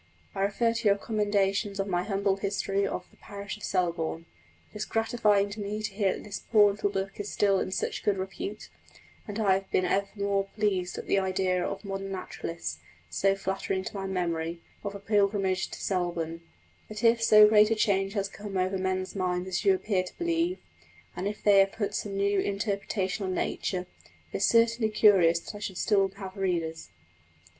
I refer to your commendations of my humble history of the Parish of Selborne. It is gratifying to me to hear that this poor little book is still in such good repute, and I have been even more pleased at that idea of modern naturalists, so flattering to my memory, of a pilgrimage to Selborne; but, if so great a change has come over men's minds as you appear to believe, and if they have put some new interpretation on nature, it is certainly curious that I should still have readers."